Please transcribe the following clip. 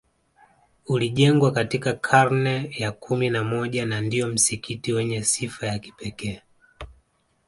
Ulijengwa katika karne ya kumi na moja na ndio msikiti wenye sifa ya kipekee